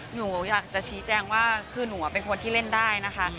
หนูอยากจะชี้แจงว่าคือหนูเป็นคนที่เล่นได้นะคะ